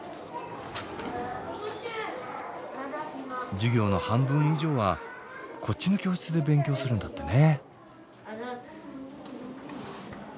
授業の半分以上はこっちの教室で勉強するんだってね。